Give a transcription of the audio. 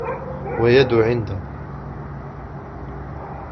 وَيَدٌ عِنْدَ